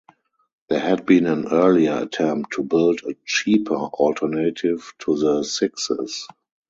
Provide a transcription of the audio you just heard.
There had been an earlier attempt to build a cheaper alternative to the Sixes.